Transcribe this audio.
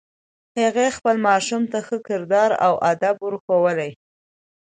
هغې خپل ماشوم ته ښه کردار او ادب ور ښوولی